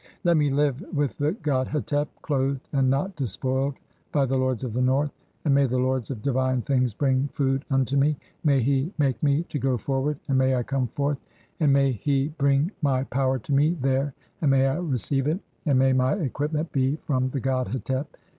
(20) [Let me] live with the god Hetep, "clothed and not despoiled by the lords of the north (?), and "may the lords of divine things bring food unto me ; may he "make me to go forward and may I come forth, and may he 174 THE CHAPTERS OF COMING FORTH BY DAY. "bring my power to me (21) there, and may I receive it, and "may my equipment be from the god Hetep.